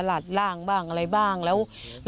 ไม่อยากให้มองแบบนั้นจบดราม่าสักทีได้ไหม